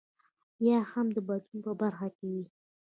یا هم د بدلون په برخه کې وي.